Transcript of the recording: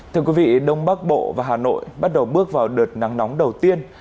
thưa quý vị đông bắc bộ và hà nội bắt đầu bước vào đợt nắng nóng đầu tiên